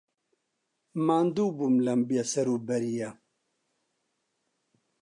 ماندوو بووم لەم بێسەروبەرییە.